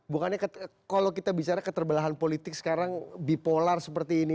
bukannya kalau kita bicara keterbelahan politik sekarang bipolar seperti ini